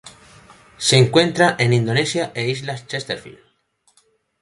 Se encuentran en Indonesia e islas Chesterfield.